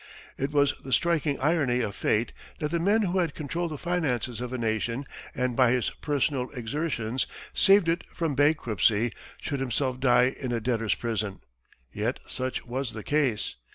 It was the striking irony of fate that the man who had controlled the finances of a nation and by his personal exertions saved it from bankruptcy should himself die in a debtor's prison; yet such was the case.